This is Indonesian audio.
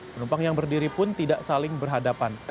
penumpang yang berdiri pun tidak saling berhadapan